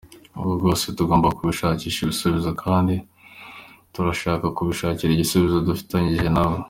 Ibyo byose tugomba kubishakira ibisubizo kandi turashaka kubishakira ibisubizo dufatanyije namwe”.